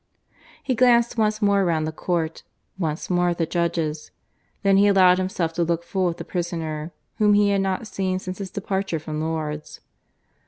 He glanced once more round the court, once more at the judges. Then he allowed himself to look full at the prisoner, whom he had not seen since his departure from Lourdes.